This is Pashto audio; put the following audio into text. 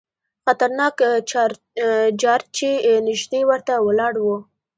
خطرناک جارچي نیژدې ورته ولاړ وو.